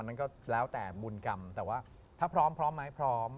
มันก็แล้วแต่บุญกรรมแต่ว่าถ้าพร้อมพร้อมไหมพร้อม